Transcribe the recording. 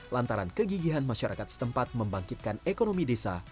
lantaran kegigihan masyarakat setempat membangkitkan ekonomi desa